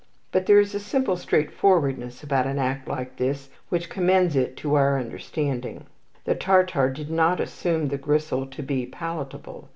But there is a simple straightforwardness about an act like this which commends it to our understanding. The Tartar did not assume the gristle to be palatable.